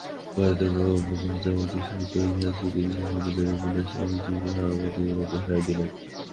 ভারতীয় কাব্যজগতের সহিত ইহার স্মৃতি বিশেষভাবে জড়িত বলিয়া স্বামীজী উহা আমাদিগকে দেখাইয়া দিলেন।